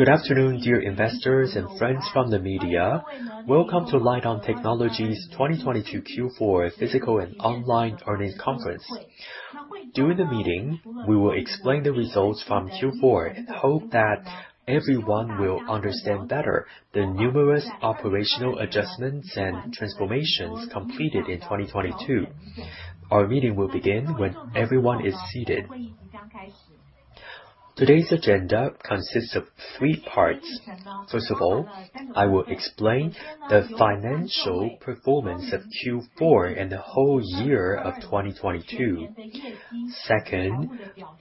Good afternoon, dear investors and friends from the media. Welcome to Lite-On Technology's 2022 Q4 physical and online earnings conference. During the meeting, we will explain the results from Q4 and hope that everyone will understand better the numerous operational adjustments and transformations completed in 2022. Our meeting will begin when everyone is seated. Today's agenda consists of three parts. First of all, I will explain the financial performance of Q4 and the whole year of 2022. Second,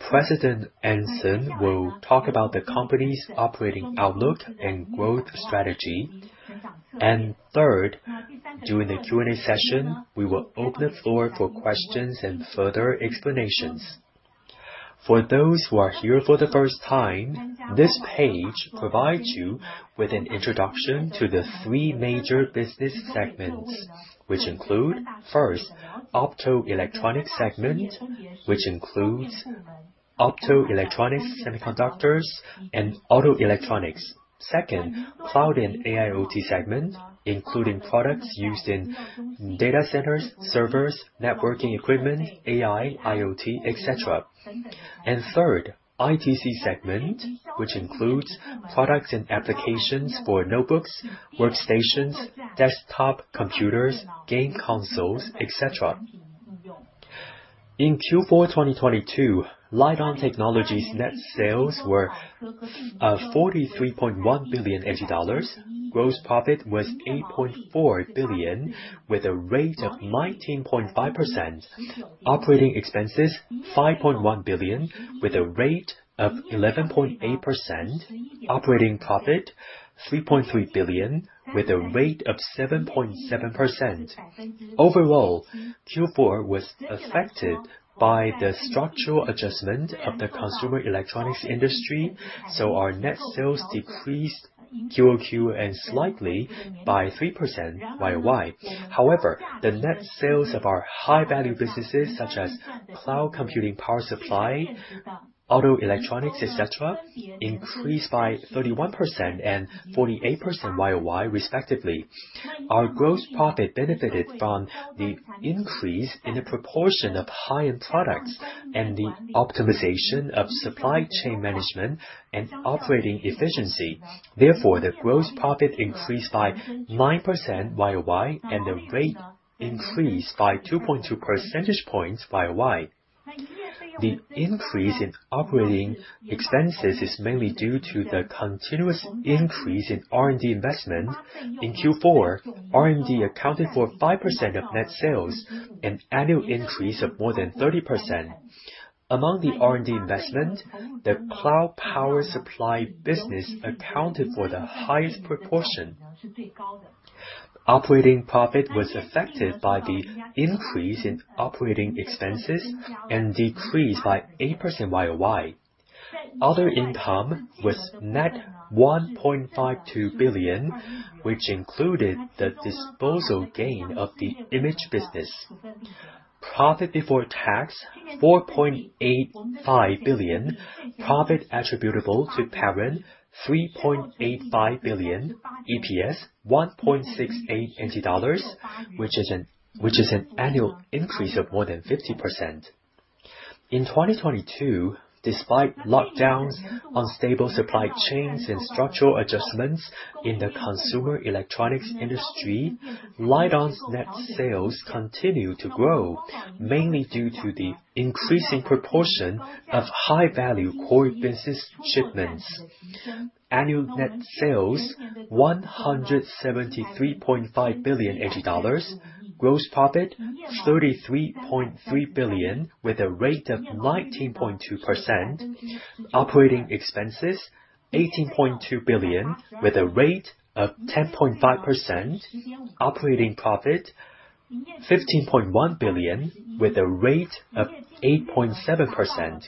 President Anson will talk about the company's operating outlook and growth strategy. Third, during the Q&A session, we will open the floor for questions and further explanations. For those who are here for the first time, this page provides you with an introduction to the three major business segments, which include, first, optoelectronics segment, which includes optoelectronics, semiconductors, and auto electronics. Second, cloud and AIOT segment, including products used in data centers, servers, networking equipment, AI, IoT, etc. Third, ITC segment, which includes products and applications for notebooks, workstations, desktop computers, game consoles, etc. In Q4 2022, Lite-On Technology's net sales were 43.1 billion. Gross profit was 8.4 billion, with a rate of 19.5%. Operating expenses, 5.1 billion, with a rate of 11.8%. Operating profit, 3.3 billion, with a rate of 7.7%. Overall, Q4 was affected by the structural adjustment of the consumer electronics industry, so our net sales decreased QoQ and slightly by 3% YoY. The net sales of our high-value businesses such as cloud computing power supply, auto electronics, et cetera, increased by 31% and 48% YoY respectively. The gross profit benefited from the increase in the proportion of high-end products and the optimization of supply chain management and operating efficiency. The gross profit increased by 9% YoY, and the rate increased by 2.2 percentage points YoY. The increase in operating expenses is mainly due to the continuous increase in R&D investment. In Q4, R&D accounted for 5% of net sales, an annual increase of more than 30%. Among the R&D investment, the cloud power supply business accounted for the highest proportion. Operating profit was affected by the increase in operating expenses and decreased by 8% YoY. Other income was net 1.52 billion, which included the disposal gain of the imaging business. Profit before tax, 4.85 billion. Profit attributable to parent, 3.85 billion EPS, 1.68 NT dollars, which is an annual increase of more than 50%. In 2022, despite lockdowns, unstable supply chains, and structural adjustments in the consumer electronics industry, Lite-On's net sales continued to grow, mainly due to the increasing proportion of high-value core business shipments. Annual net sales, 173.5 billion dollars. Gross profit, 33.3 billion, with a rate of 19.2%. Operating expenses, 18.2 billion, with a rate of 10.5%. Operating profit, 15.1 billion, with a rate of 8.7%.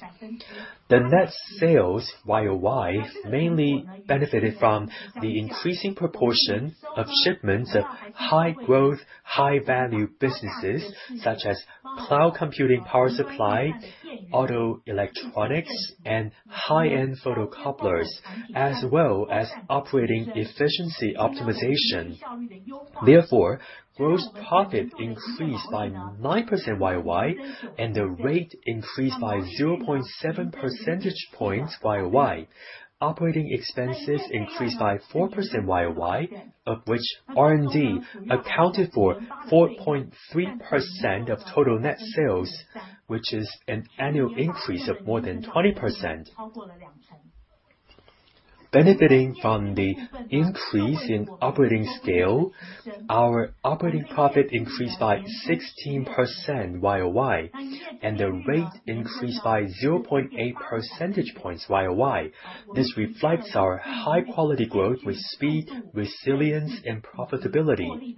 The net sales YoY mainly benefited from the increasing proportion of shipments of high-growth, high-value businesses such as cloud computing power supply, auto electronics, and high-end photocouplers, as well as operating efficiency optimization. Therefore, gross profit increased by 9% YoY, and the rate increased by 0.7 percentage points YoY. Operating expenses increased by 4% YoY, of which R&D accounted for 4.3% of total net sales, which is an annual increase of more than 20%. Benefiting from the increase in operating scale, our operating profit increased by 16% YoY, and the rate increased by 0.8 percentage points YoY. This reflects our high-quality growth with speed, resilience, and profitability.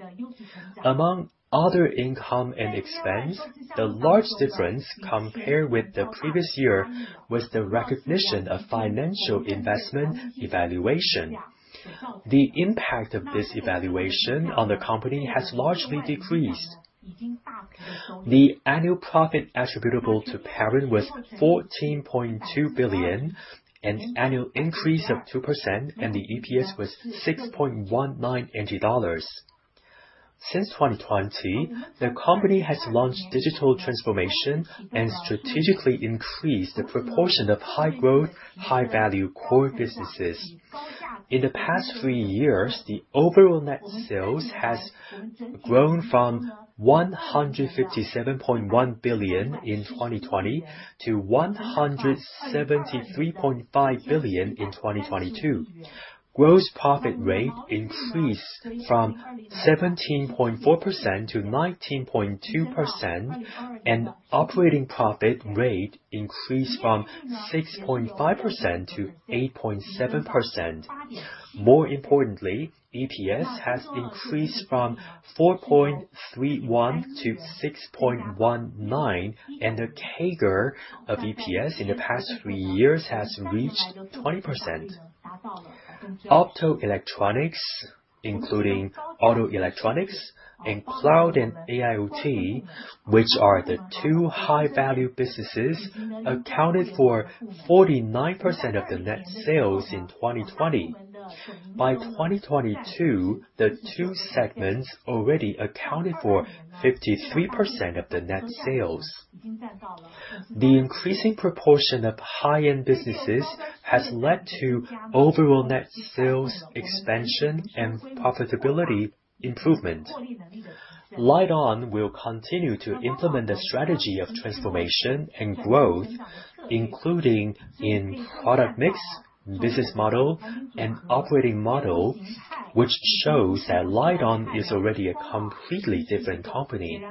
Among other income and expense, the large difference compared with the previous year was the recognition of financial investment evaluation. The impact of this evaluation on the company has largely decreased. The annual profit attributable to parent was 14.2 billion, an annual increase of 2%, and the EPS was 6.19 dollars. Since 2020, the company has launched digital transformation and strategically increased the proportion of high growth, high value core businesses. In the past three years, the overall net sales has grown from 157.1 billion in 2020 to 173.5 billion in 2022. Gross profit rate increased from 17.4% to 19.2%. Operating profit rate increased from 6.5% to 8.7%. More importantly, EPS has increased from 4.31 to 6.19. The CAGR of EPS in the past three years has reached 20%. Optoelectronics, including auto electronics and cloud and AIOT, which are the two high-value businesses, accounted for 49% of the net sales in 2020. By 2022, the two segments already accounted for 53% of the net sales. The increasing proportion of high-end businesses has led to overall net sales expansion and profitability improvement. Lite-On will continue to implement the strategy of transformation and growth, including in product mix, business model and operating model, which shows that Lite-On is already a completely different company.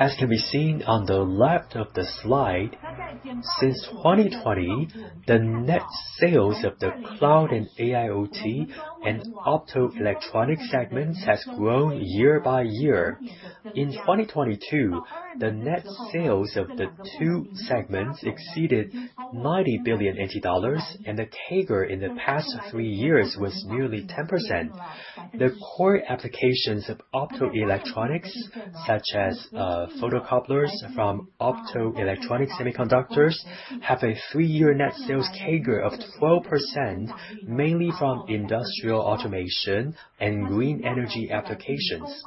As can be seen on the left of the slide, since 2020, the net sales of the cloud and AIOT and optoelectronics segments has grown year by year. In 2022, the net sales of the two segments exceeded 90 billion NT dollars, and the CAGR in the past three years was nearly 10%. The core applications of optoelectronics, such as photocouplers from optoelectronic semiconductors, have a three-year net sales CAGR of 12%, mainly from industrial automation and green energy applications.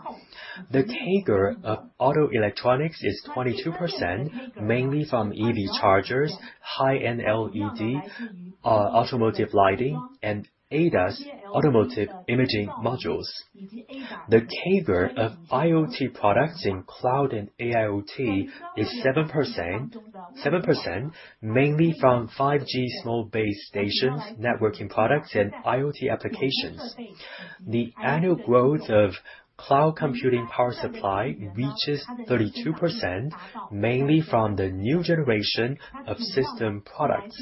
The CAGR of auto electronics is 22%, mainly from EV chargers, high-end LED automotive lighting, and ADAS automotive imaging modules. The CAGR of IoT products in cloud and AIOT is 7%, mainly from 5G small base stations, networking products and IoT applications. The annual growth of cloud computing power supply reaches 32%, mainly from the new generation of system products.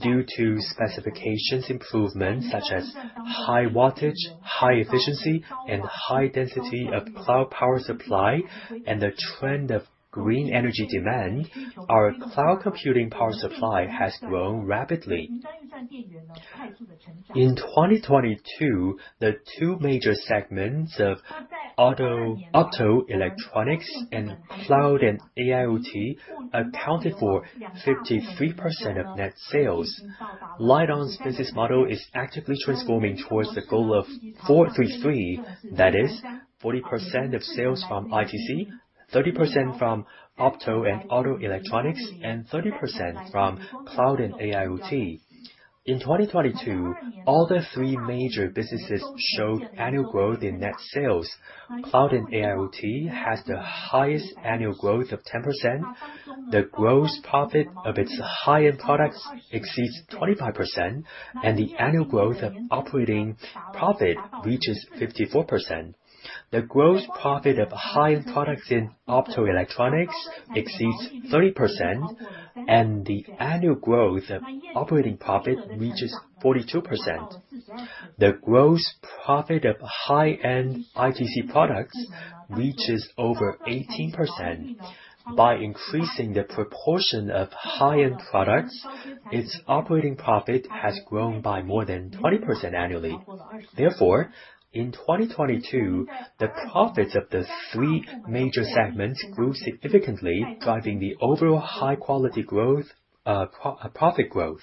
Due to specifications improvements such as high wattage, high efficiency, and high density of cloud power supply and the trend of green energy demand, our cloud computing power supply has grown rapidly. In 2022, the two major segments of optoelectronics and cloud and AIOT accounted for 53% of net sales. Lite-On's business model is actively transforming towards the goal of four-three-three. That is 40% of sales from ITC, 30% from opto and auto electronics, and 30% from cloud and AIOT. In 2022, all the three major businesses showed annual growth in net sales. Cloud and AIOT has the highest annual growth of 10%. The gross profit of its high-end products exceeds 25%, and the annual growth of operating profit reaches 54%. The gross profit of high-end products in optoelectronics exceeds 30%, and the annual growth of operating profit reaches 42%. The gross profit of high-end ITC products reaches over 18%. By increasing the proportion of high-end products, its operating profit has grown by more than 20% annually. In 2022, the profits of the three major segments grew significantly, driving the overall high quality growth, pro-profit growth.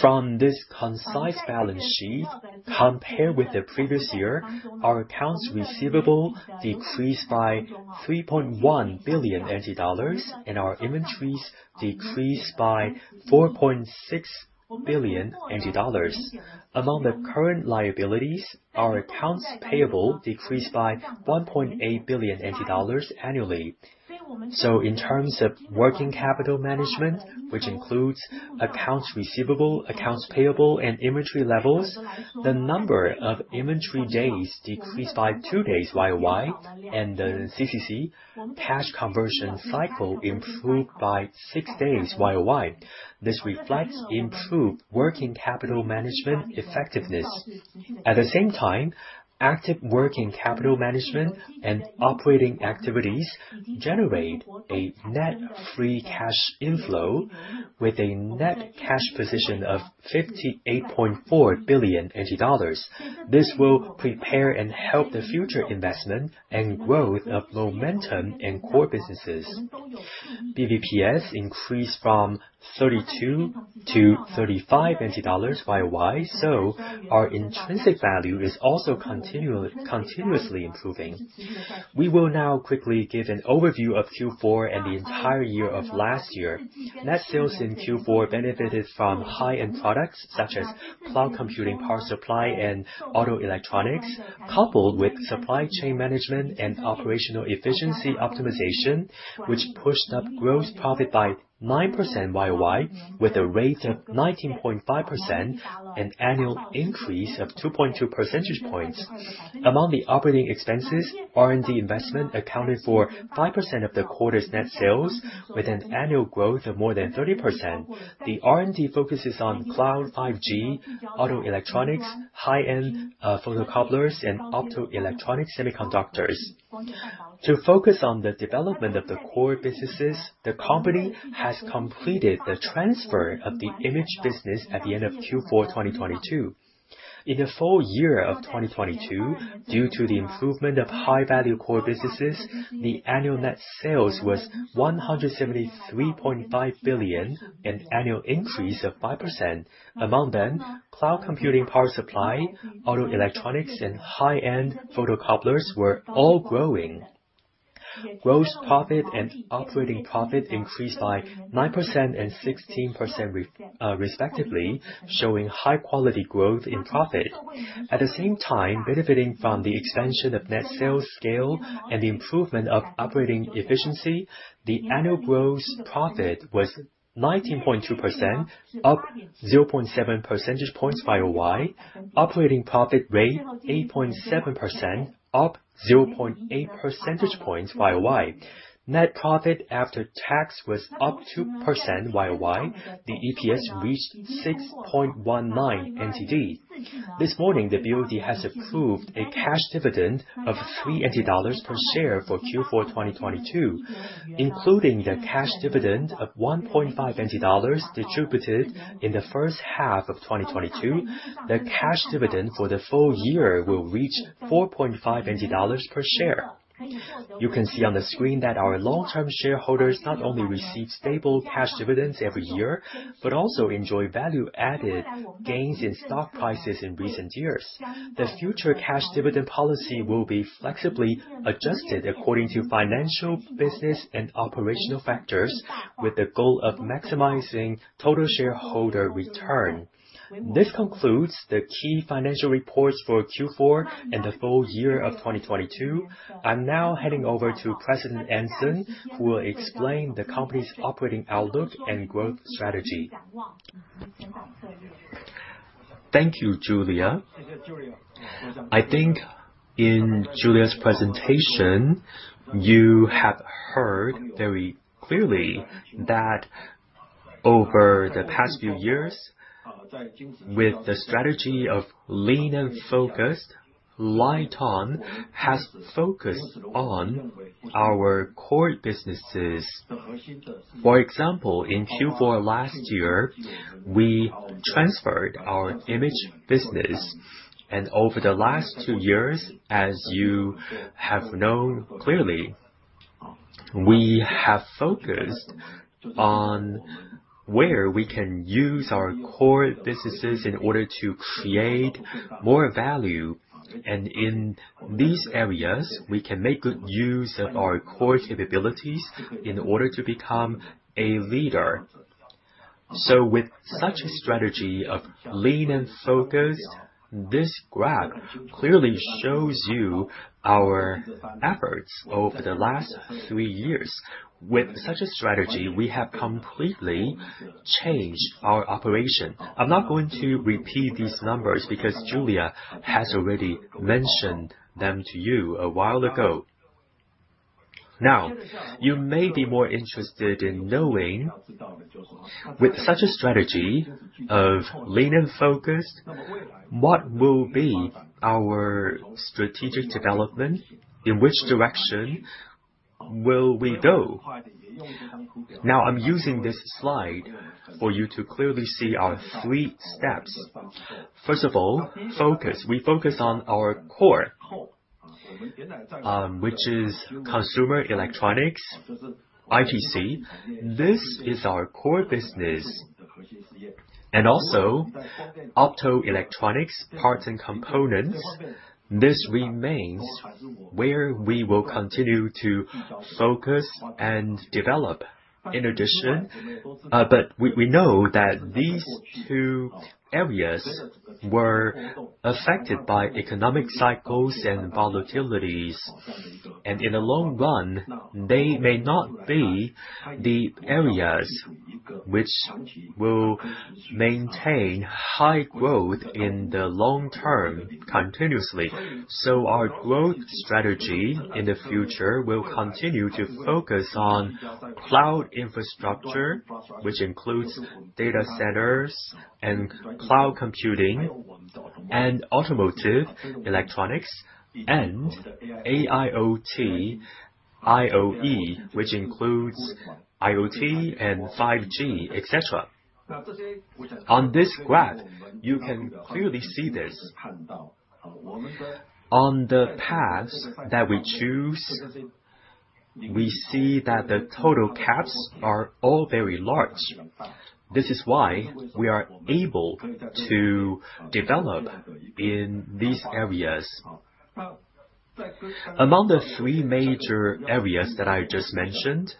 From this concise balance sheet, compared with the previous year, our accounts receivable decreased by 3.1 billion NT dollars, and our inventories decreased by 4.6 billion NT dollars. Among the current liabilities, our accounts payable decreased by 1.8 billion NT dollars annually. In terms of working capital management, which includes accounts receivable, accounts payable, and inventory levels, the number of inventory days decreased by two days YoY, and the CCC cash conversion cycle improved by six days YoY. This reflects improved working capital management effectiveness. At the same time, active working capital management and operating activities generate a net free cash inflow with a net cash position of 58.4 billion NT dollars. This will prepare and help the future investment and growth of momentum in core businesses. BVPS increased from TWD 32-TWD 35 YoY. Our intrinsic value is also continuously improving. We will now quickly give an overview of Q4 and the entire year of last year. Net sales in Q4 benefited from high-end products such as cloud computing, power supply, and auto electronics, coupled with supply chain management and operational efficiency optimization, which pushed up gross profit by 9% YoY with a rate of 19.5%, an annual increase of 2.2 percentage points. Among the operating expenses, R&D investment accounted for 5% of the quarter's net sales with an annual growth of more than 30%. The R&D focuses on cloud, 5G, auto electronics, high-end photocouplers and optoelectronic semiconductors. To focus on the development of the core businesses, the company has completed the transfer of the imaging business at the end of Q4 2022. In the full year of 2022, due to the improvement of high-value core businesses, the annual net sales was 173.5 billion, an annual increase of 5%. Among them, cloud computing, power supply, auto electronics, and high-end photocouplers were all growing. Gross profit and operating profit increased by 9% and 16% respectively, showing high quality growth in profit. At the same time, benefiting from the expansion of net sales scale and the improvement of operating efficiency, the annual gross profit was 19.2%, up 0.7 percentage points YoY. Operating profit rate 8.7%, up 0.8 percentage points YoY. Net profit after tax was up 2% YoY. The EPS reached 6.19. This morning, the BOT has approved a cash dividend of 3 per share for Q4, 2022. Including the cash dividend of 1.5 distributed in the first half of 2022, the cash dividend for the full year will reach 4.5 per share. You can see on the screen that our long-term shareholders not only receive stable cash dividends every year, but also enjoy value-added gains in stock prices in recent years. The future cash dividend policy will be flexibly adjusted according to financial, business, and operational factors with the goal of maximizing total shareholder return. This concludes the key financial reports for Q4 and the full year of 2022. I'm now heading over to President Anson, who will explain the company's operating outlook and growth strategy. Thank you, Julia. I think in Julia's presentation, you have heard very clearly that over the past few years, with the strategy of lean and focused, Lite-On has focused on our core businesses. For example, in Q4 last year, we transferred our imaging business. Over the last two years, as you have known clearly, we have focused on where we can use our core businesses in order to create more value. In these areas, we can make good use of our core capabilities in order to become a leader. With such a strategy of lean and focus, this graph clearly shows you our efforts over the last three years. With such a strategy, we have completely changed our operation. I'm not going to repeat these numbers because Julia has already mentioned them to you a while ago. You may be more interested in knowing, with such a strategy of lean and focus, what will be our strategic development? In which direction will we go? I'm using this slide for you to clearly see our three steps. First of all, focus. We focus on our core, which is consumer electronics, ITC. This is our core business. Also optoelectronics parts and components. This remains where we will continue to focus and develop. In addition, we know that these two areas were affected by economic cycles and volatilities. In the long run, they may not be the areas which will maintain high growth in the long term continuously. Our growth strategy in the future will continue to focus on cloud infrastructure, which includes data centers and cloud computing, and automotive electronics and AIOT, IoE, which includes IoT and 5G, etc. On this graph, you can clearly see this. On the paths that we choose, we see that the total caps are all very large. This is why we are able to develop in these areas. Among the three major areas that I just mentioned,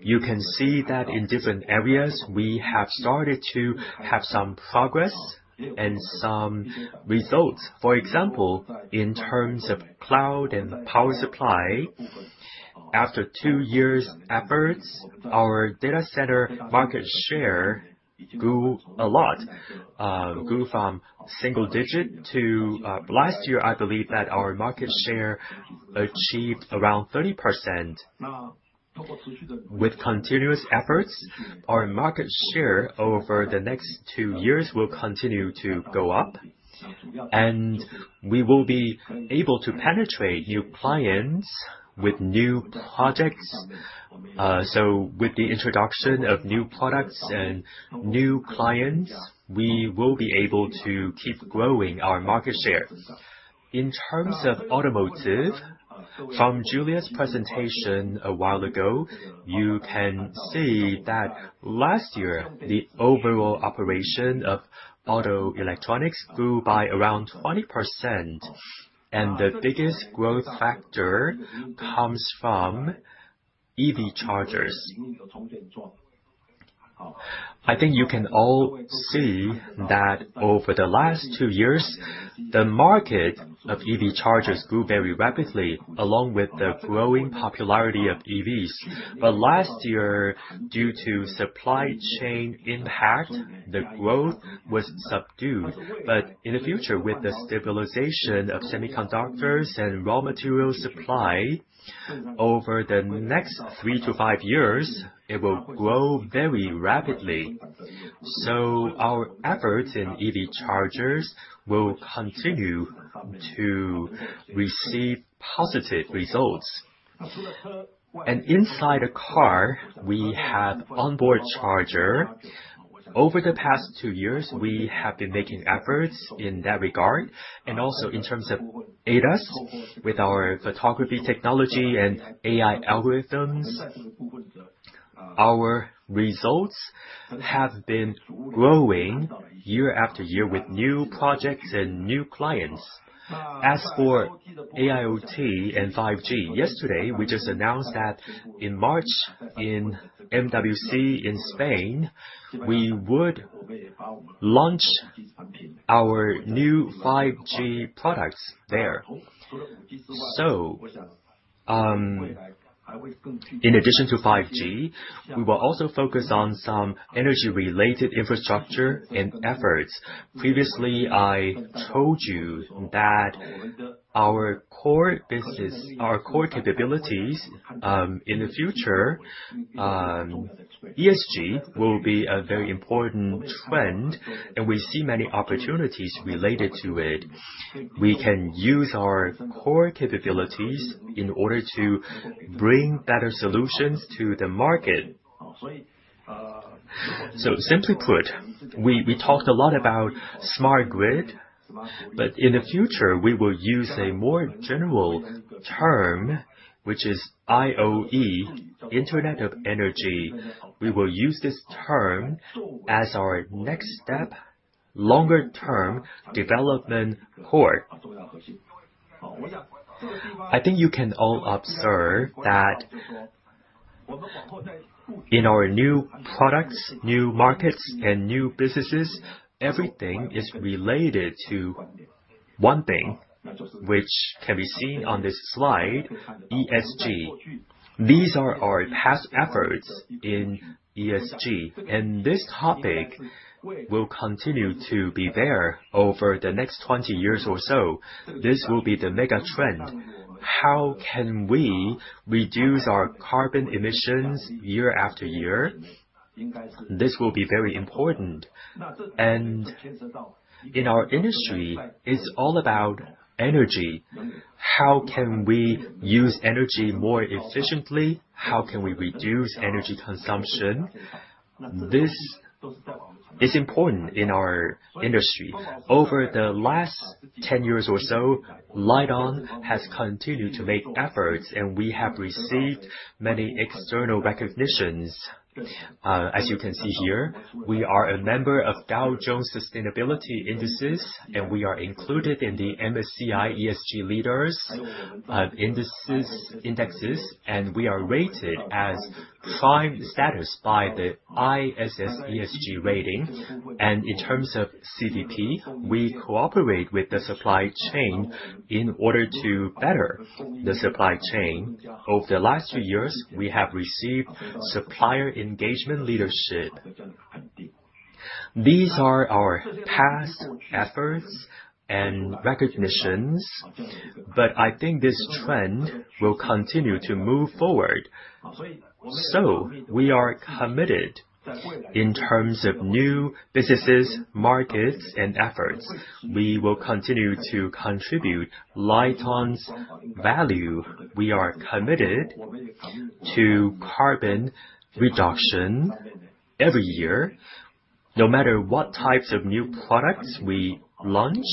you can see that in different areas, we have started to have some progress and some results. For example, in terms of cloud and power supply, after two years efforts, our data center market share grew a lot, grew from single digit to. Last year, I believe that our market share achieved around 30%. With continuous efforts, our market share over the next two years will continue to go up, and we will be able to penetrate new clients with new projects. With the introduction of new products and new clients, we will be able to keep growing our market share. In terms of automotive, from Julia's presentation a while ago, you can see that last year, the overall operation of auto electronics grew by around 20%, and the biggest growth factor comes from EV chargers. I think you can all see that over the last two years, the market of EV chargers grew very rapidly, along with the growing popularity of EVs. Last year, due to supply chain impact, the growth was subdued. In the future, with the stabilization of semiconductors and raw material supply, over the next three to five years, it will grow very rapidly. Our efforts in EV chargers will continue to receive positive results. Inside a car, we have onboard charger. Over the past two years, we have been making efforts in that regard, and also in terms of ADAS with our photography technology and AI algorithms. Our results have been growing year after year with new projects and new clients. As for AIOT and 5G, yesterday, we just announced that in March, in MWC in Spain, we would launch our new 5G products there. In addition to 5G, we will also focus on some energy-related infrastructure and efforts. Previously, I told you that our core business, our core capabilities, in the future, ESG will be a very important trend, and we see many opportunities related to it. We can use our core capabilities in order to bring better solutions to the market. Simply put, we talked a lot about smart grid, but in the future, we will use a more general term, which is IoE, Internet of Energy. We will use this term as our next step, longer-term development core. I think you can all observe that in our new products, new markets and new businesses, everything is related to one thing, which can be seen on this slide, ESG. These are our past efforts in ESG, and this topic will continue to be there over the next 20 years or so. This will be the mega trend. How can we reduce our carbon emissions year after year? This will be very important. In our industry, it's all about energy. How can we use energy more efficiently? How can we reduce energy consumption? This is important in our industry. Over the last 10 years or so, Lite-On has continued to make efforts. We have received many external recognitions. As you can see here, we are a member of Dow Jones Sustainability Indices. We are included in the MSCI ESG Leaders Indexes, and we are rated as prime status by the ISS ESG rating. In terms of CDP, we cooperate with the supply chain in order to better the supply chain. Over the last few years, we have received supplier engagement leadership. These are our past efforts and recognitions, but I think this trend will continue to move forward. We are committed in terms of new businesses, markets and efforts. We will continue to contribute Lite-On's value. We are committed to carbon reduction every year. No matter what types of new products we launch,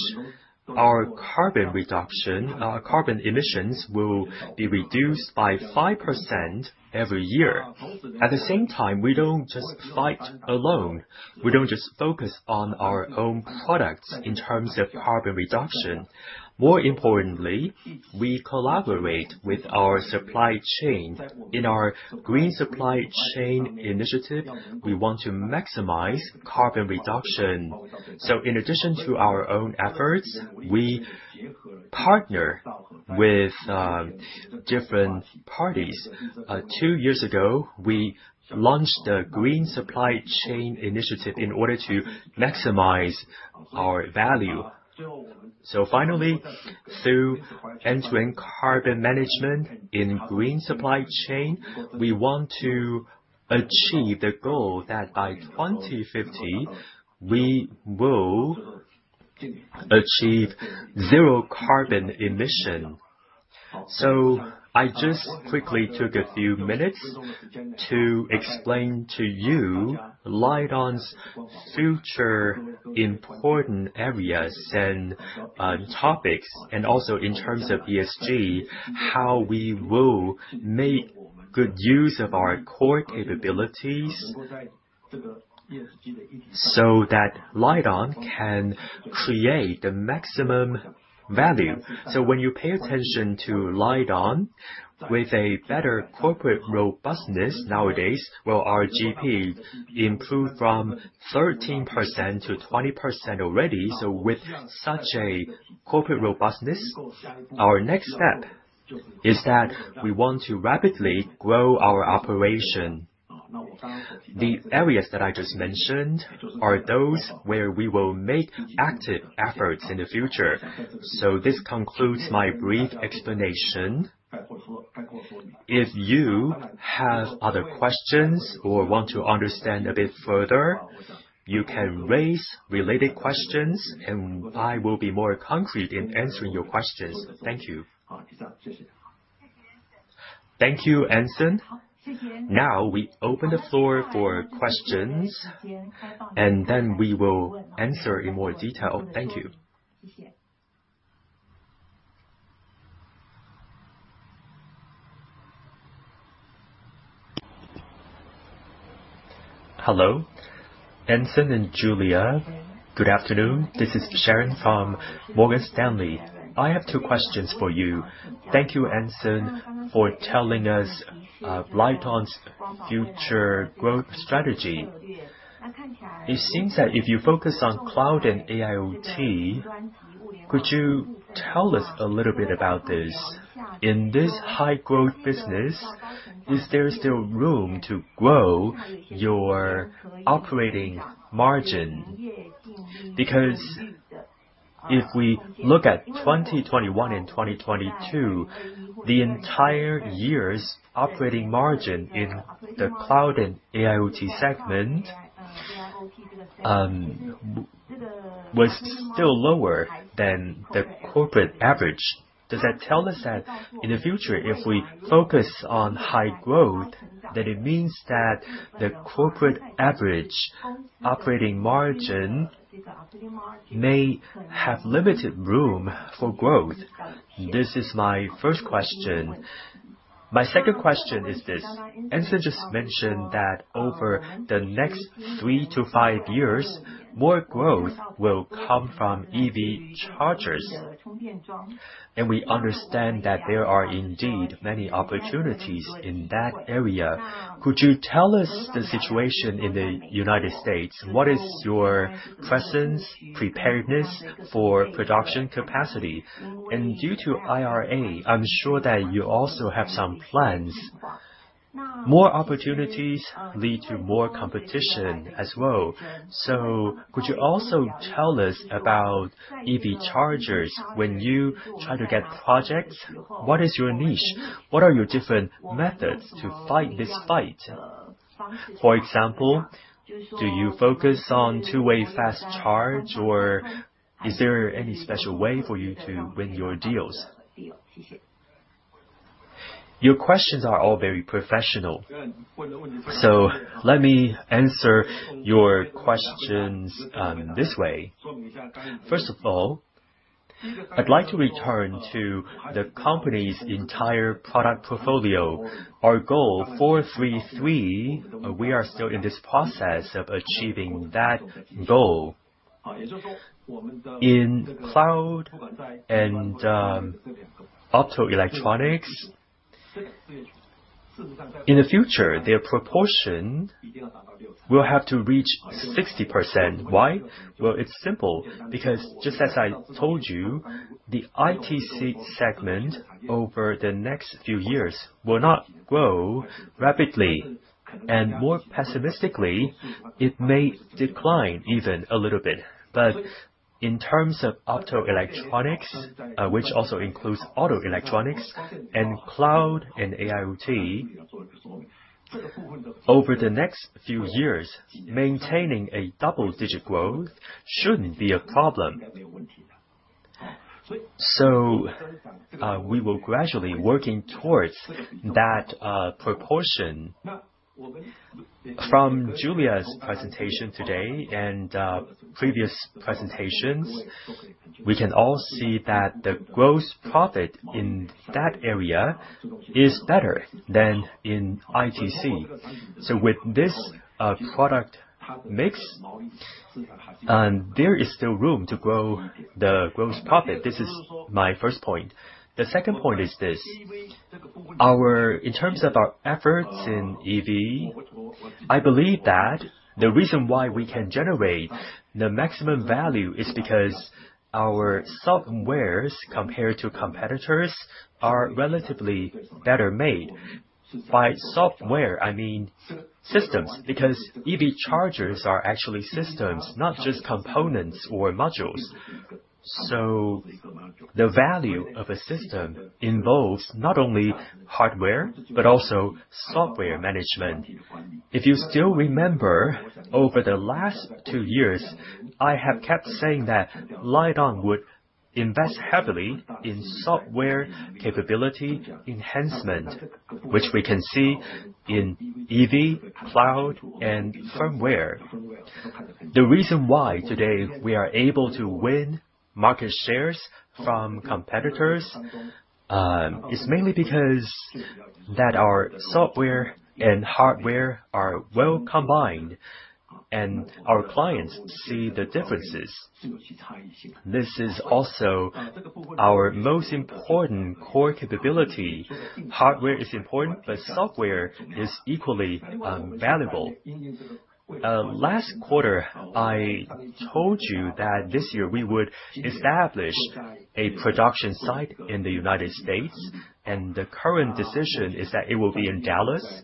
our carbon reduction, carbon emissions will be reduced by 5% every year. At the same time, we don't just fight alone. We don't just focus on our own products in terms of carbon reduction. More importantly, we collaborate with our supply chain. In our green supply chain initiative, we want to maximize carbon reduction. In addition to our own efforts, we partner with different parties. Two years ago, we launched the Green Supply Chain Initiative in order to maximize our value. Finally, through entering carbon management in green supply chain, we want to achieve the goal that by 2050, we will achieve zero carbon emission. I just quickly took a few minutes to explain to you Lite-On's future important areas and topics, and also in terms of ESG, how we will make good use of our core capabilities so that Lite-On can create the maximum value. When you pay attention to Lite-On with a better corporate robustness nowadays, well, our GP improved from 13% to 20% already. With such a corporate robustness, our next step is that we want to rapidly grow our operation. The areas that I just mentioned are those where we will make active efforts in the future. This concludes my brief explanation. If you have other questions or want to understand a bit further, you can raise related questions, and I will be more concrete in answering your questions. Thank you. Thank you, Anson. Now we open the floor for questions, and then we will answer in more detail. Thank you. Hello, Anson and Julia. Good afternoon. This is Sharon from Morgan Stanley. I have two questions for you. Thank you, Anson, for telling us of Lite-On's future growth strategy. It seems that if you focus on cloud and AIOT, could you tell us a little bit about this? In this high-growth business, is there still room to grow your operating margin? If we look at 2021 and 2022, the entire year's operating margin in the cloud and AIOT segment was still lower than the corporate average. Does that tell us that in the future, if we focus on high growth, that it means that the corporate average operating margin may have limited room for growth? This is my first question. My second question is this: Anson just mentioned that over the next three to five years, more growth will come from EV chargers. We understand that there are indeed many opportunities in that area. Could you tell us the situation in the United States? What is your presence, preparedness for production capacity? Due to IRA, I'm sure that you also have some plans. More opportunities lead to more competition as well. Could you also tell us about EV chargers? When you try to get projects, what is your niche? What are your different methods to fight this fight? For example, do you focus on two-way fast charge, or is there any special way for you to win your deals? Your questions are all very professional. Let me answer your questions this way. First of all, I'd like to return to the company's entire product portfolio. Our goal, four-three-three, we are still in this process of achieving that goal. In cloud and auto electronics, in the future, their proportion will have to reach 60%. Why? Well, it's simple, because just as I told you, the ITC segment over the next few years will not grow rapidly, and more pessimistically, it may decline even a little bit. In terms of optoelectronics, which also includes auto electronics and cloud and AIOT, over the next few years, maintaining a double-digit growth shouldn't be a problem. We will gradually working towards that proportion. From Julia's presentation today and previous presentations, we can all see that the gross profit in that area is better than in ITC. With this product mix, and there is still room to grow the gross profit. This is my first point. The second point is this, in terms of our efforts in EV, I believe that the reason why we can generate the maximum value is because our software, compared to competitors, are relatively better made. By software, I mean systems, because EV chargers are actually systems, not just components or modules. The value of a system involves not only hardware but also software management. If you still remember, over the last two years, I have kept saying that Lite-On would invest heavily in software capability enhancement, which we can see in EV, cloud, and firmware. The reason why today we are able to win market shares from competitors, is mainly because that our software and hardware are well combined and our clients see the differences. This is also our most important core capability. Hardware is important, but software is equally valuable. Last quarter, I told you that this year we would establish a production site in the United States, and the current decision is that it will be in Dallas.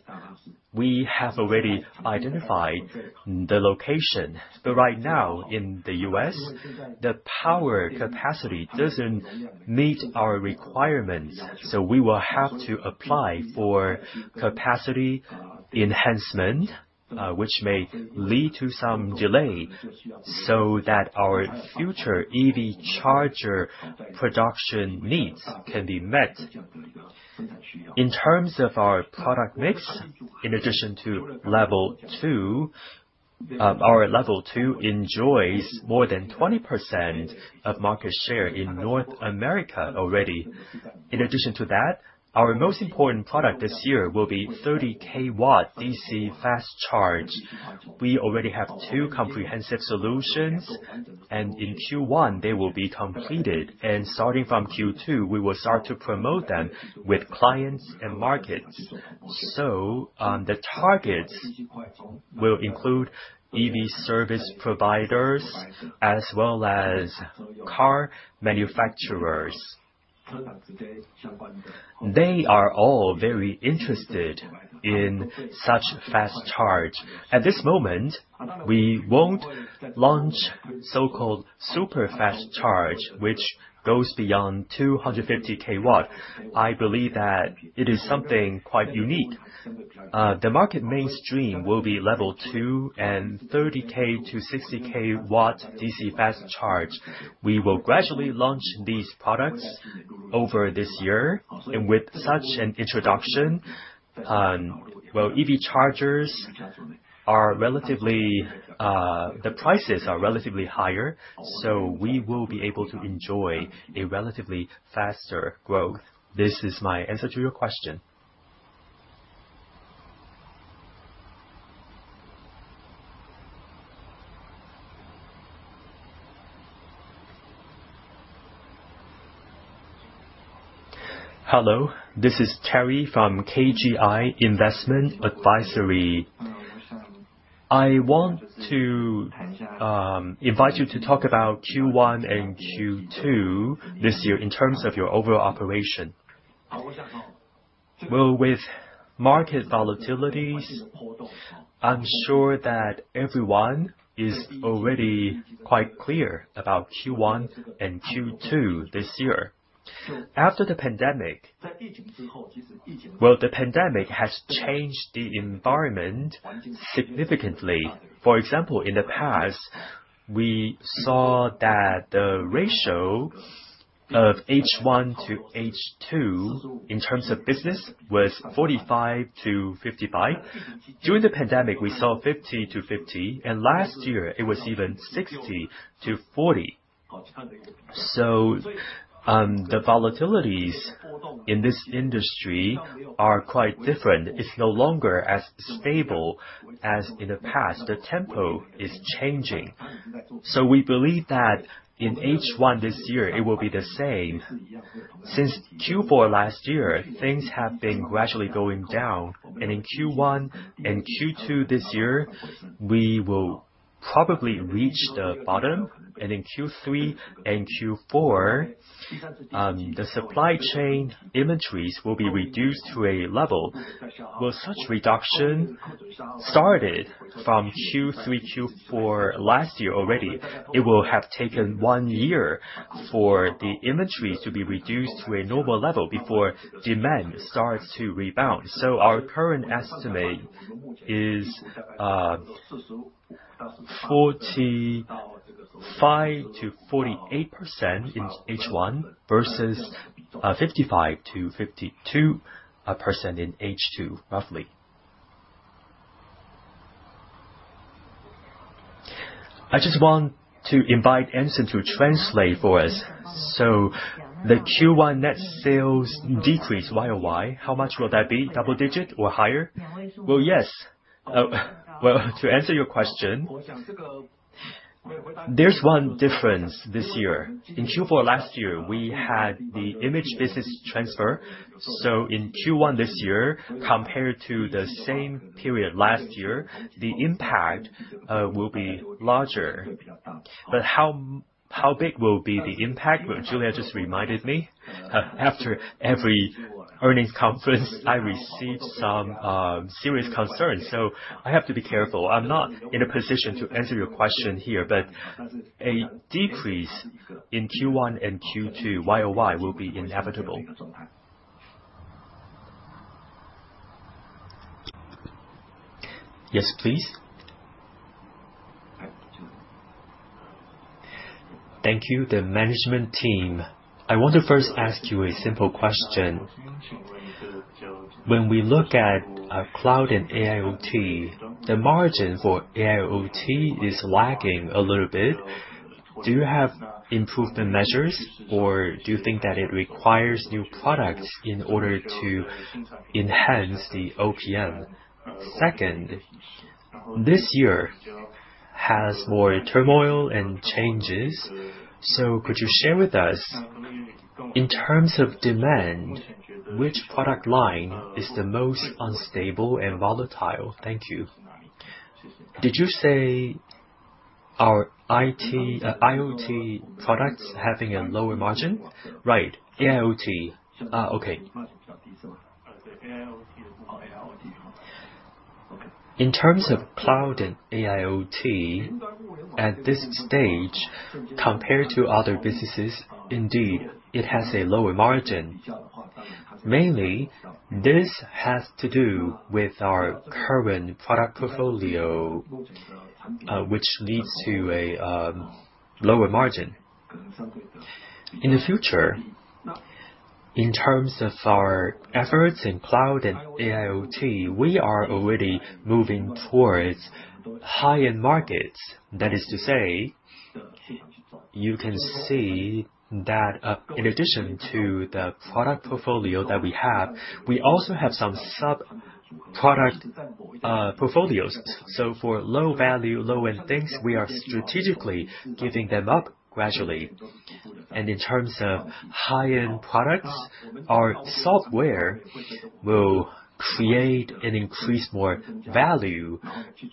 We have already identified the location. Right now in the U.S., the power capacity doesn't meet our requirements, so we will have to apply for capacity enhancement, which may lead to some delay, so that our future EV charger production needs can be met. In terms of our product mix, in addition to Level 2, our Level 2 enjoys more than 20% of market share in North America already. In addition to that, our most important product this year will be 30 kW DC fast charger. We already have two comprehensive solutions, in Q1, they will be completed. Starting from Q2, we will start to promote them with clients and markets. The targets will include EV service providers as well as car manufacturers. They are all very interested in such fast charge. At this moment, we won't launch so-called super fast charge, which goes beyond 250 kW. I believe that it is something quite unique. The market mainstream will be Level 2 and 30 kW to 60 kW DC fast charge. We will gradually launch these products over this year. With such an introduction, well, EV chargers are relatively, the prices are relatively higher, so we will be able to enjoy a relatively faster growth. This is my answer to your question. Hello, this is Terry from KGI Investment Advisory. I want to invite you to talk about Q1 and Q2 this year in terms of your overall operation. With market volatilities, I'm sure that everyone is already quite clear about Q1 and Q2 this year. After the pandemic. The pandemic has changed the environment significantly. For example, in the past, we saw that the ratio of H1 to H2 in terms of business was 45 to 55. During the pandemic, we saw 50 to 50, and last year it was even 60 to 40. The volatilities in this industry are quite different. It's no longer as stable as in the past. The tempo is changing. We believe that in H1 this year, it will be the same. Since Q4 last year, things have been gradually going down, and in Q1 and Q2 this year, we will probably reach the bottom. In Q3 and Q4, the supply chain inventories will be reduced to a level. Such reduction started from Q3, Q4 last year already. It will have taken one year for the inventories to be reduced to a normal level before demand starts to rebound. Our current estimate is 45%-48% in H1 versus 55%-52% in H2, roughly. I just want to invite Anson to translate for us. The Q1 net sales decrease YoY. How much will that be? Double digit or higher? Yes. To answer your question, there's one difference this year. In Q4 last year, we had the imaging business transfer. In Q1 this year, compared to the same period last year, the impact will be larger. How big will be the impact? Julia just reminded me. After every earnings conference, I receive some serious concerns, so I have to be careful. I'm not in a position to answer your question here, but a decrease in Q1 and Q2 YoY will be inevitable. Yes, please. Thank you. The management team. I want to first ask you a simple question. When we look at cloud and AIOT, the margin for AIOT is lagging a little bit. Do you have improvement measures, or do you think that it requires new products in order to enhance the OPM? Second, this year has more turmoil and changes. Could you share with us, in terms of demand, which product line is the most unstable and volatile? Thank you. Did you say our IoT products having a lower margin? Right. AIOT. Okay. In terms of cloud and AIOT, at this stage, compared to other businesses, indeed, it has a lower margin. Mainly this has to do with our current product portfolio, which leads to a lower margin. In the future, in terms of our efforts in cloud and AIOT, we are already moving towards high-end markets. That is to say, you can see that, in addition to the product portfolio that we have, we also have some sub-product portfolios. For low value, low-end things, we are strategically giving them up gradually. In terms of high-end products, our software will create and increase more value,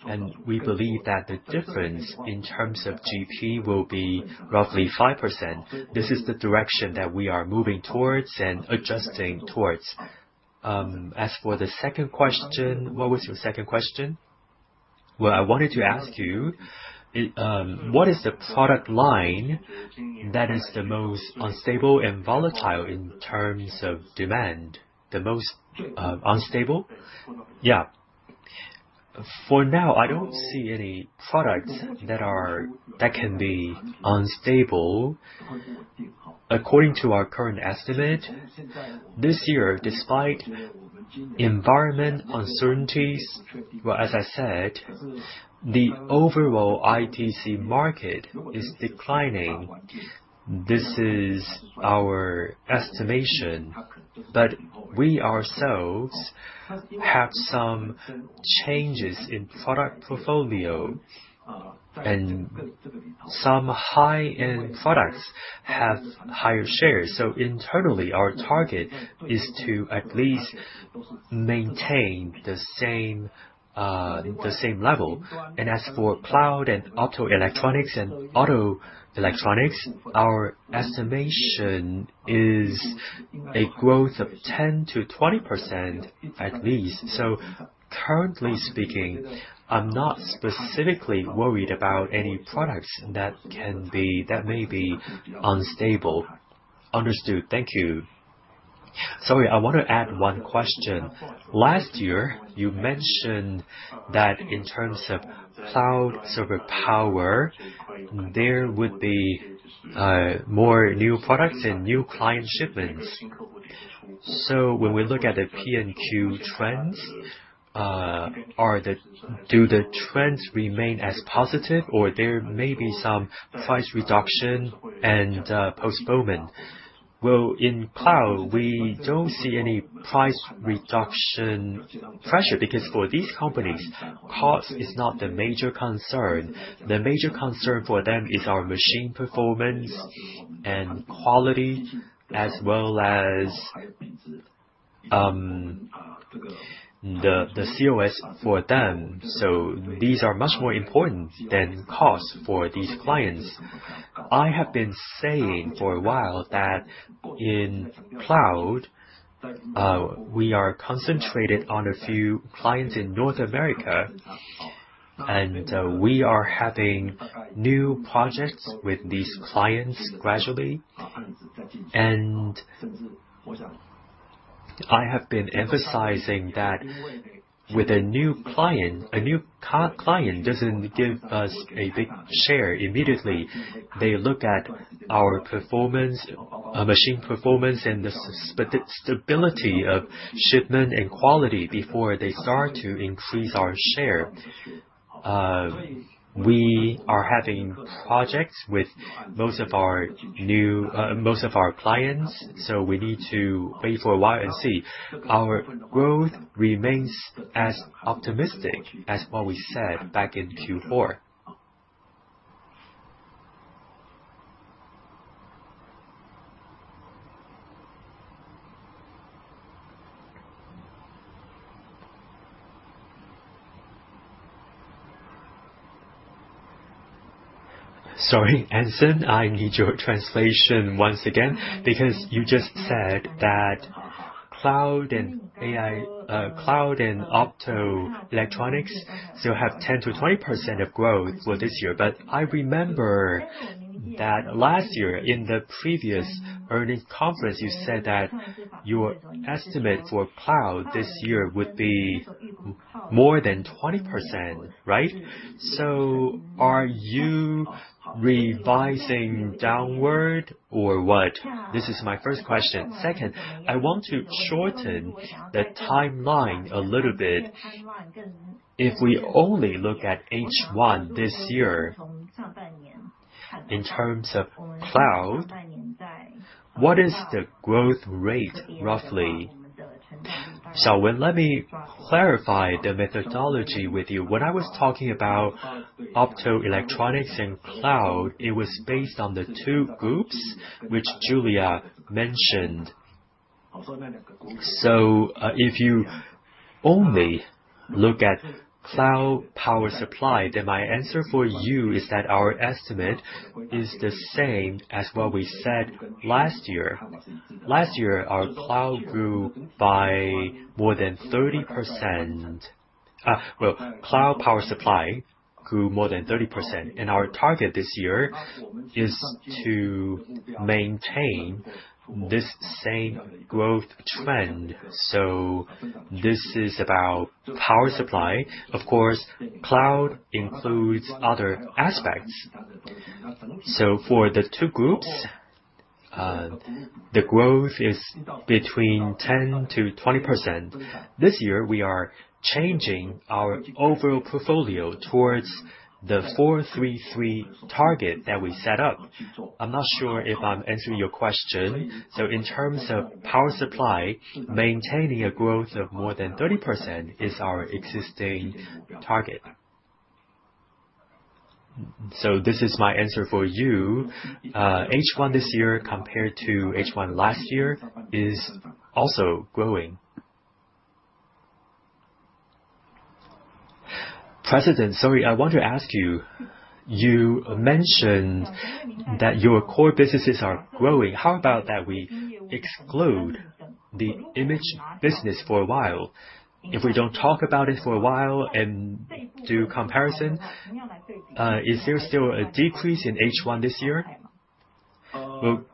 and we believe that the difference in terms of GP will be roughly 5%. This is the direction that we are moving towards and adjusting towards. As for the second question, what was your second question? Well, I wanted to ask you, what is the product line that is the most unstable and volatile in terms of demand? The most unstable? Yeah. For now, I don't see any products that can be unstable. According to our current estimate, this year, despite environment uncertainties, well, as I said, the overall ITC market is declining. This is our estimation. We ourselves have some changes in product portfolio, some high-end products have higher shares. Internally, our target is to at least maintain the same level. As for cloud and auto electronics, our estimation is a growth of 10%-20% at least. Currently speaking, I'm not specifically worried about any products that may be unstable. Understood. Thank you. Sorry, I want to add one question. Last year, you mentioned that in terms of cloud server power, there would be more new products and new client shipments. When we look at the P&Q trends, do the trends remain as positive, or there may be some price reduction and postponement? Well, in cloud, we don't see any price reduction pressure, because for these companies, cost is not the major concern. The major concern for them is our machine performance and quality, as well as the COS for them. These are much more important than cost for these clients. I have been saying for a while that in cloud, we are concentrated on a few clients in North America, we are having new projects with these clients gradually. I have been emphasizing that with a new client, a new client doesn't give us a big share immediately. They look at our performance, our machine performance, and the stability of shipment and quality before they start to increase our share. We are having projects with most of our new, most of our clients, so we need to wait for a while and see. Our growth remains as optimistic as what we said back in Q4. Sorry, Anson, I need your translation once again, because you just said that cloud and AI. Cloud and optoelectronics still have 10%-20% of growth for this year. I remember that last year in the previous earnings conference, you said that your estimate for cloud this year would be more than 20%, right? Are you revising downward or what? This is my first question. Second, I want to shorten the timeline a little bit. If we only look at H1 this year, in terms of cloud, what is the growth rate roughly? Xiaowen, let me clarify the methodology with you. When I was talking about optoelectronics and cloud, it was based on the two groups which Julia mentioned. If you only look at cloud power supply, my answer for you is that our estimate is the same as what we said last year. Last year, our cloud grew by more than 30%. Well, cloud power supply grew more than 30%, our target this year is to maintain this same growth trend. This is about power supply. Of course, cloud includes other aspects. For the two groups, the growth is between 10%-20%. This year, we are changing our overall portfolio towards the four-three-three target that we set up. I'm not sure if I'm answering your question. In terms of power supply, maintaining a growth of more than 30% is our existing target. This is my answer for you. H1 this year compared to H1 last year is also growing. President, sorry, I want to ask you. You mentioned that your core businesses are growing. How about that we exclude the imaging business for a while? If we don't talk about it for a while and do comparison, is there still a decrease in H1 this year? Well,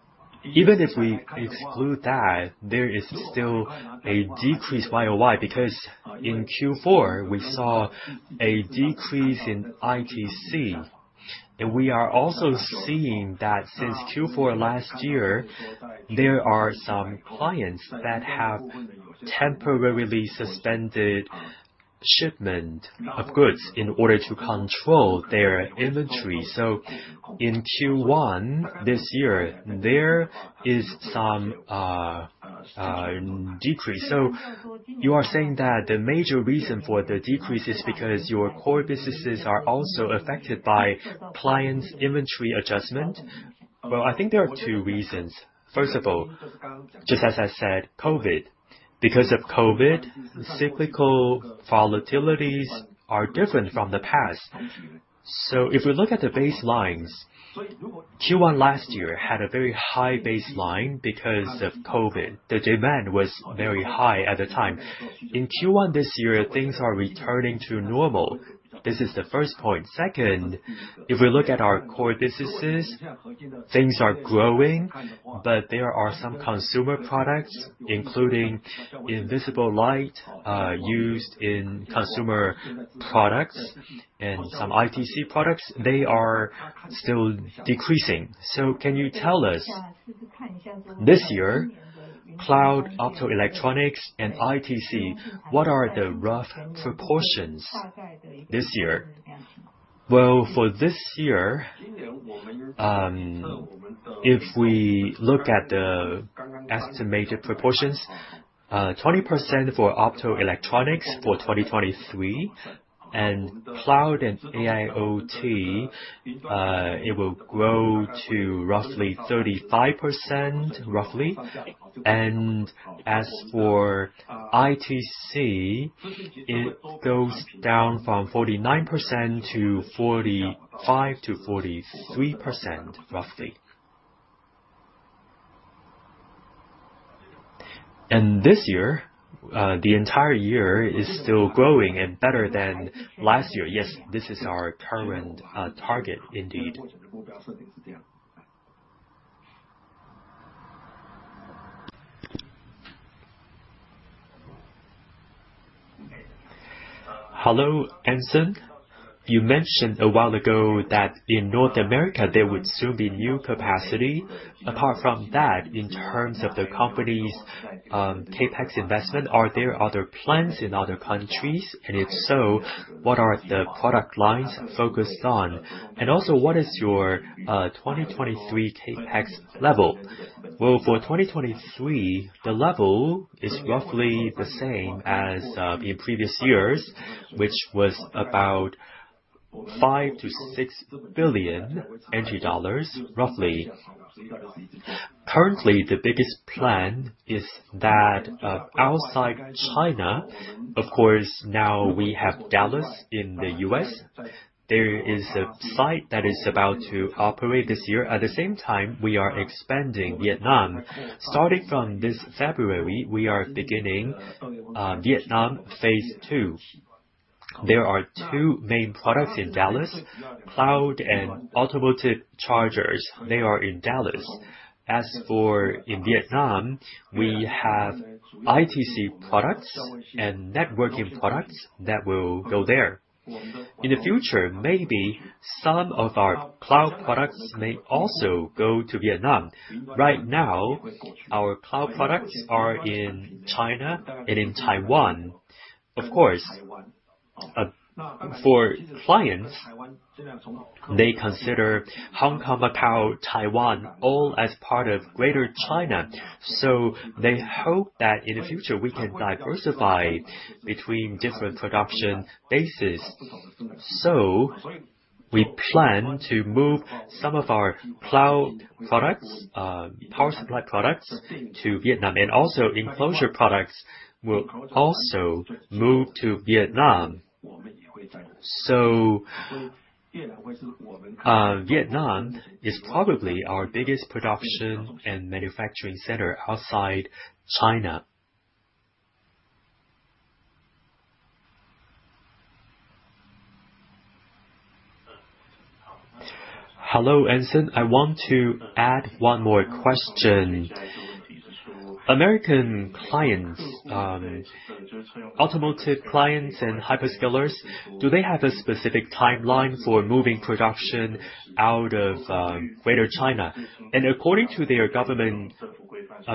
even if we exclude that, there is still a decrease YoY because in Q4 we saw a decrease in ITC. We are also seeing that since Q4 last year, there are some clients that have temporarily suspended shipment of goods in order to control their inventory. In Q1 this year, there is some decrease. You are saying that the major reason for the decrease is because your core businesses are also affected by clients' inventory adjustment? Well, I think there are two reasons. First of all, just as I said, COVID. Because of COVID, cyclical volatilities are different from the past. If we look at the baselines, Q1 last year had a very high baseline because of COVID. The demand was very high at the time. In Q1 this year, things are returning to normal. This is the first point. Second, if we look at our core businesses, things are growing, but there are some consumer products, including invisible light, used in consumer products and some ITC products. They are still decreasing. Can you tell us this year, cloud optoelectronics and ITC, what are the rough proportions this year? Well, for this year, if we look at the estimated proportions, 20% for optoelectronics for 2023 and cloud and AIOT, it will grow to roughly 35%. As for ITC, it goes down from 49% to 45%-43%, roughly. This year, the entire year is still growing and better than last year. Yes. This is our current target indeed. Hello, Anson. You mentioned a while ago that in North America, there would soon be new capacity. Apart from that, in terms of the company's CapEx investment, are there other plans in other countries? If so, what are the product lines focused on? Also, what is your 2023 CapEx level? Well, for 2023, the level is roughly the same as the previous years, which was about 5 billion-6 billion dollars, roughly. Currently, the biggest plan is that outside China, of course, now we have Dallas in the U.S. There is a site that is about to operate this year. At the same time, we are expanding Vietnam. Starting from this February, we are beginning Vietnam phase II. There are two main products in Dallas: cloud and automotive chargers. They are in Dallas. As for in Vietnam, we have ITC products and networking products that will go there. In the future, maybe some of our cloud products may also go to Vietnam. Right now, our cloud products are in China and in Taiwan. Of course, for clients, they consider Hong Kong, Macau, Taiwan, all as part of Greater China. They hope that in the future we can diversify between different production bases. We plan to move some of our cloud products, power supply products to Vietnam. Also Enclosure products will also move to Vietnam. Vietnam is probably our biggest production and manufacturing center outside China. Hello, Anson. I want to add one more question. American clients, automotive clients and hyperscalers, do they have a specific timeline for moving production out of Greater China? According to their government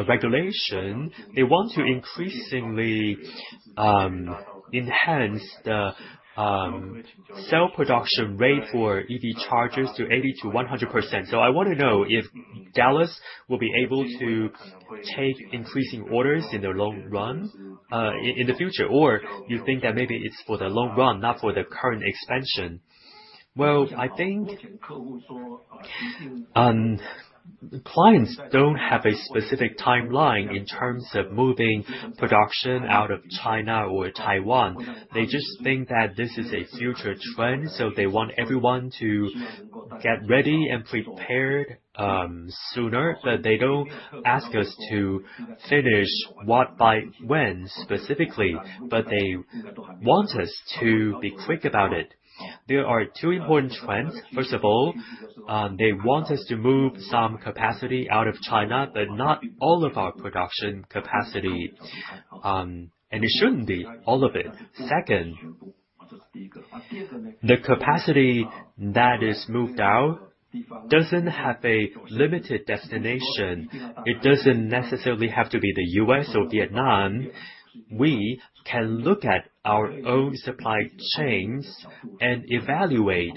regulation, they want to increasingly enhance the cell production rate for EV chargers to 80%-100%. I wanna know if Dallas will be able to take increasing orders in the long run, in the future, or you think that maybe it's for the long run, not for the current expansion. Well, I think, clients don't have a specific timeline in terms of moving production out of China or Taiwan. They just think that this is a future trend, so they want everyone to get ready and prepared, sooner. They don't ask us to finish what by when, specifically, but they want us to be quick about it. There are two important trends. First of all, they want us to move some capacity out of China, but not all of our production capacity, and it shouldn't be all of it. Second, the capacity that is moved out doesn't have a limited destination. It doesn't necessarily have to be the U.S. or Vietnam. We can look at our own supply chains and evaluate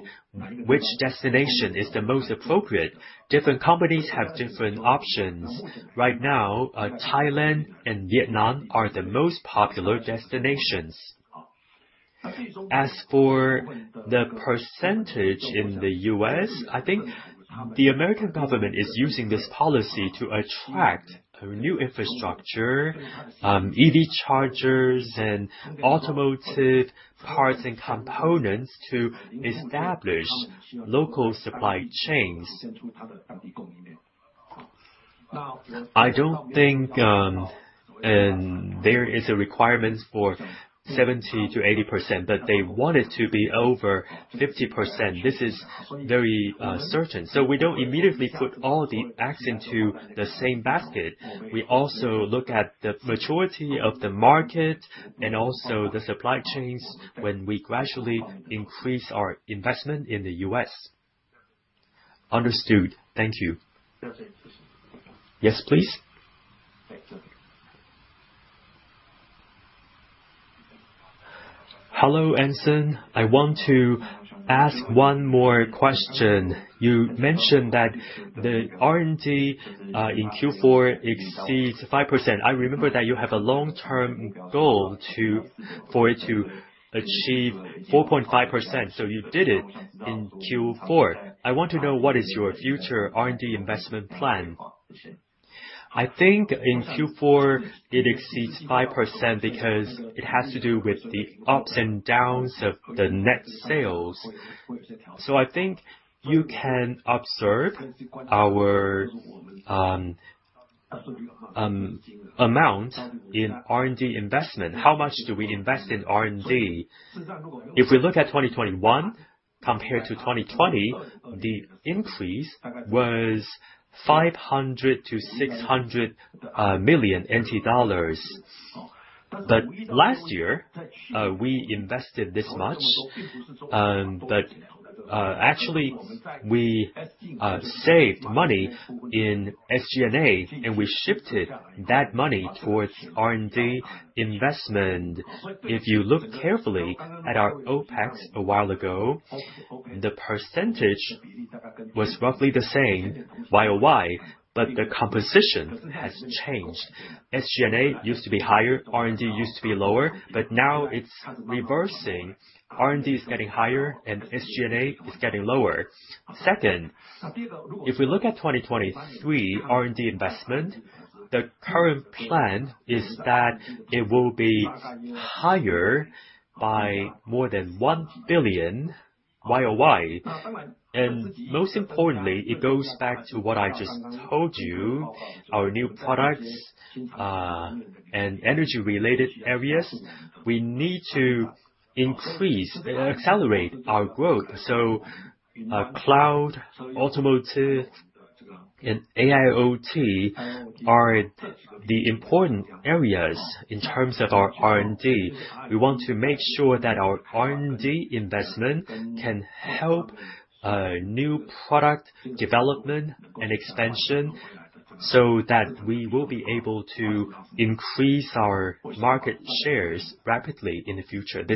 which destination is the most appropriate. Different companies have different options. Right now, Thailand and Vietnam are the most popular destinations. As for the percentage in the U.S., I think the American government is using this policy to attract new infrastructure, EV chargers and automotive parts and components to establish local supply chains. I don't think there is a requirement for 70%-80%, but they want it to be over 50%. This is very certain. We don't immediately put all the eggs into the same basket. We also look at the maturity of the market and also the supply chains when we gradually increase our investment in the U.S. Understood. Thank you. Yes, please. Hello, Anson. I want to ask one more question. You mentioned that the R&D in Q4 exceeds 5%. I remember that you have a long-term goal for it to achieve 4.5%, so you did it in Q4. I want to know what is your future R&D investment plan. I think in Q4, it exceeds 5% because it has to do with the ups and downs of the net sales. I think you can observe our amount in R&D investment. How much do we invest in R&D? If we look at 2021 compared to 2020, the increase was 500-600 million NT dollars. Last year, we invested this much, actually we saved money in SG&A, and we shifted that money towards R&D investment. If you look carefully at our OPEX a while ago, the percentage was roughly the same YoY, the composition has changed. SG&A used to be higher, R&D used to be lower, now it's reversing. R&D is getting higher and SG&A is getting lower. Second, if we look at 2023 R&D investment, the current plan is that it will be higher by more than 1 billion YoY. Most importantly, it goes back to what I just told you, our new products and energy-related areas. We need to increase, accelerate our growth. Our cloud, automotive, and AIOT are the important areas in terms of our R&D. We want to make sure that our R&D investment can help new product development and expansion so that we will be able to increase our market shares rapidly in the future. This.